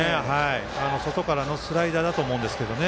外からのスライダーだと思うんですけどね。